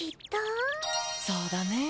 そうだね。